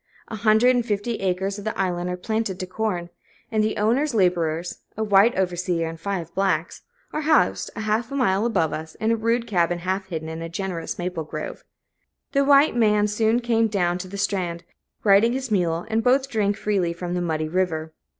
A hundred and fifty acres of the island are planted to corn, and the owner's laborers a white overseer and five blacks are housed a half mile above us, in a rude cabin half hidden in a generous maple grove. The white man soon came down to the strand, riding his mule, and both drank freely from the muddy river.